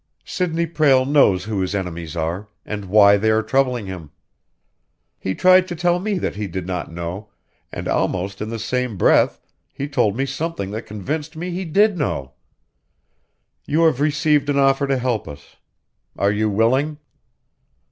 Sidney Prale knows who his enemies are, and why they are troubling him. He tried to tell me that he did not know, and almost in the same breath he told me something that convinced me he did know. You have received an offer to help us. Are you willing?"